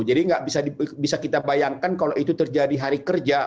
jadi nggak bisa kita bayangkan kalau itu terjadi hari kerja